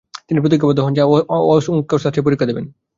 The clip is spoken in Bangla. তিনি প্রতিজ্ঞাবদ্ধ হন যে, অঙ্কশাস্ত্রেই পরীক্ষা দেবেন।